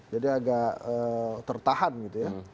jadi agak tertahan gitu ya